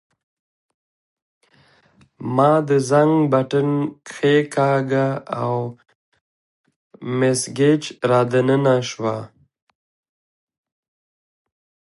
ما د زنګ بټن کښېکاږه او مس ګېج را دننه شوه.